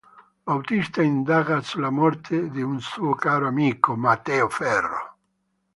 Bautista indaga sulla morte di un suo caro amico, Mateo Ferro.